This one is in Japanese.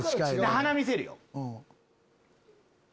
鼻見せるよ。